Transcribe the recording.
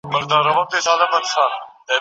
په انسانانو کې دواړه فایبرونه په نسبي تناسب وي.